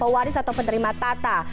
waris atau penerima tata